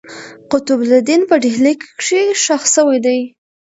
قطب الدین په ډهلي کښي ښخ سوی دئ.